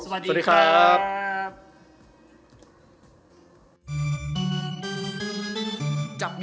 สวัสดีครับ